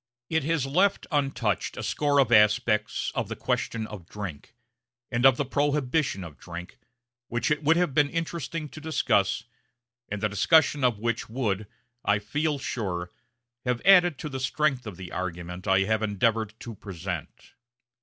It has left untouched a score of aspects of the question of drink, and of the prohibition of drink, which it would have been interesting to discuss, and the discussion of which would, I feel sure, have added to the strength of the argument I have endeavored to present.